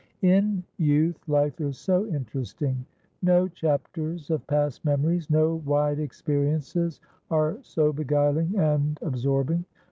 In youth life is so interesting. No chapters of past memories, no wide experiences are so beguiling and absorbing.